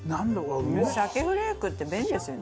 鮭フレークって便利ですよね。